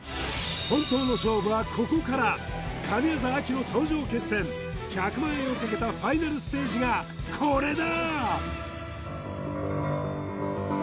本当の勝負はここから神業秋の頂上決戦１００万円をかけたファイナルステージがこれだ！